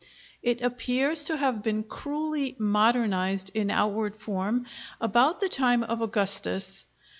It appears to have been cruelly "modernized" in outward form about the time of Augustus.